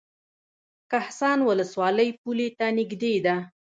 کهسان ولسوالۍ پولې ته نږدې ده؟